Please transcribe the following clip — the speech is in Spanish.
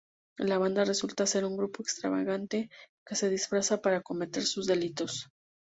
La banda resulta ser un grupo extravagante que se disfraza para cometer sus delitos.